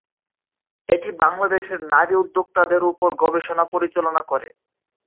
এটি বাংলাদেশের নারী উদ্যোক্তাদের ওপর গবেষণা পরিচালনা করে।